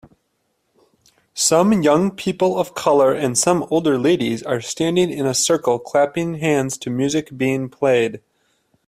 Some young people of color and some older ladies are standing in a circle clapping hands to music being played